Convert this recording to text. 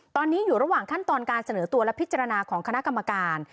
ตอนนี้อยู่ระหว่างขั้นตอนการเสนอตัวและพิจารณาของคณะกรรมการ